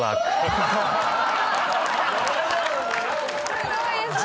・すごいですね。